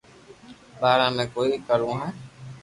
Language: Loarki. بارا ۾ بي ڪوئي ڪروو ھي